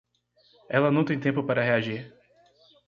Ela não tem tempo para reagir